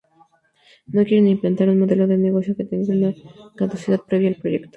No quieren implantar un modelo de negocio que tenga una caducidad previa al proyecto.